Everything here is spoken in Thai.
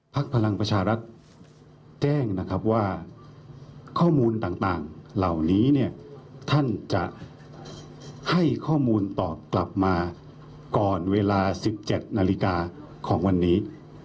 พลังประชารัฐแจ้งนะครับว่าข้อมูลต่างเหล่านี้เนี่ยท่านจะให้ข้อมูลตอบกลับมาก่อนเวลา๑๗นาฬิกาของวันนี้